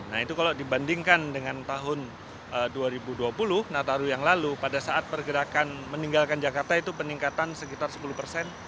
nah itu kalau dibandingkan dengan tahun dua ribu dua puluh nataru yang lalu pada saat pergerakan meninggalkan jakarta itu peningkatan sekitar sepuluh persen